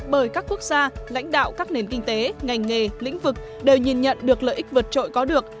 bởi các quốc gia lãnh đạo các nền kinh tế ngành nghề lĩnh vực đều nhìn nhận được lợi ích vượt trội có được